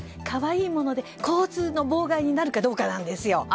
可愛いもので交通の妨害になるかどうかなんですよ。